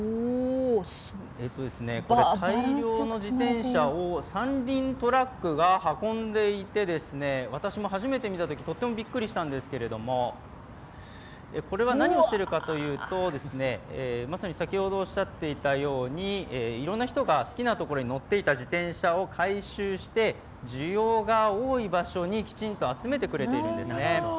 大量の自転車を三輪トラックが運んでいて、私も初めて見たときとってもびっくりしたんですが、これは何をしているかというとまさに先ほどおっしゃっていたように、いろんな人が好きなところに乗っていた自転車を回収して需要が多い場所にきちんと集めてくれているんですね。